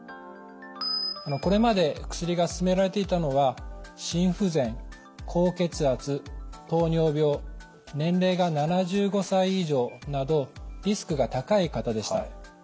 これまで薬が勧められていたのは心不全高血圧糖尿病年齢が７５歳以上などリスクが高い方でした。